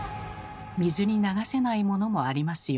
水に流せないものもありますよ。